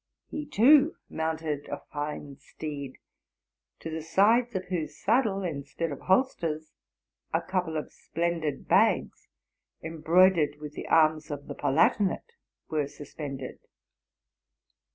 He. too, mounted a fine steed, to the sides of whose saddle. instead of holsters, a couple of splendid bags, embroidered with the arms of the Palatinate, were suspended.